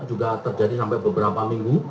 juga terjadi sampai beberapa minggu